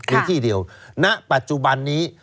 มีที่เดียวณปัจจุบันนี้